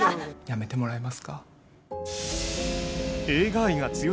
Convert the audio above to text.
辞めてもらえますか。